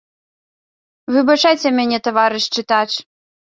Выбачайце мне, таварыш чытач!